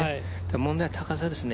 問題は高さですね